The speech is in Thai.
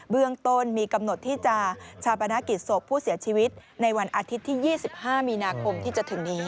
เรื่องต้นมีกำหนดที่จะชาปนกิจศพผู้เสียชีวิตในวันอาทิตย์ที่๒๕มีนาคมที่จะถึงนี้